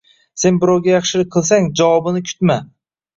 Sen birovga yaxshilik qilsang, javobini kutma.